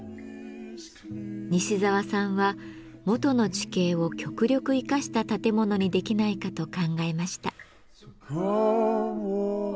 西沢さんは元の地形を極力生かした建物にできないかと考えました。